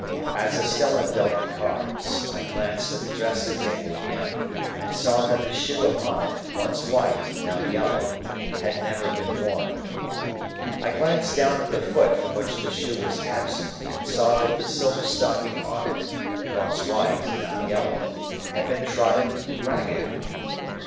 As Estella dealt the cards, I glanced at the dressing table again, and saw that the shoe upon it, once white, now yellow, had never been worn. I glanced down at the foot from which the shoe was absent, and saw that the silk stocking on it, once white, now yellow, had been trodden ragged.